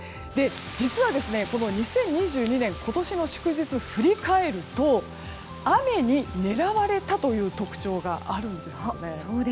実は、この２０２２年今年の祝日を振り返ると雨に狙われたという特徴があるんですよね。